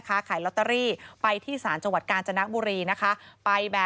ที่พัทรครายลอตเตอรี่ไปที่สารจังหวัดกาญจนกบุรีนะคะ